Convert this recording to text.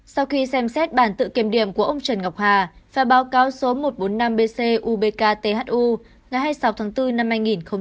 sau khi xem xét bản tự kiềm điểm của ông trần ngọc hà và báo cáo số một trăm bốn mươi năm bcubkthu ngày hai mươi sáu tháng bốn năm hai nghìn hai mươi bốn